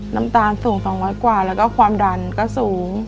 น้ำตาลสูง๒๐๐กว่าแล้วก็ความดันก็สูง